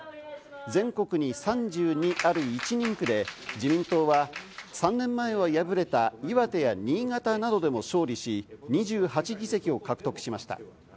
全国に３２ある１人区で、自民党は３年前は敗れた岩手や新潟などでも勝利し、２８議席を獲得しました。